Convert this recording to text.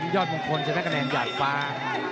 ยอดมงคลชนะคะแนนหยาดฟ้า